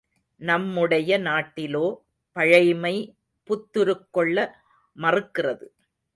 நம்முடைய நாட்டிலோ பழைமை புத்துருக் கொள்ள மறுக்கிறது.